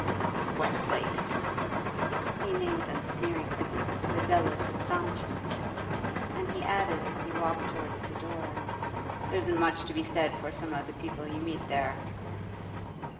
'The Westlakes!' He named them sneeringly, to Adela's astonishment. And he added as he walked towards the door: 'There isn't much to be said for some of the people you meet there.